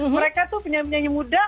mereka tuh penyanyi penyanyi muda